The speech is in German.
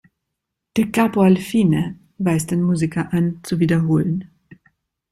"Da Capo al fine" weist den Musiker an, zu wiederholen.